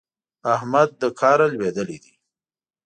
احمد له کاره لوېدلی دی.